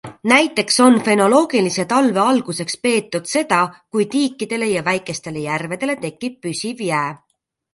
Näiteks on fenoloogilise talve alguseks peetud seda, kui tiikidele ja väikestele järvedele tekib püsiv jää.